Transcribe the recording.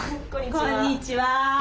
こんにちは。